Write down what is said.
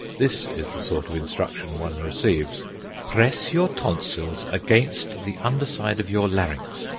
This is the sort of instruction one receives: "Press your tonsils against the underside of your larynx.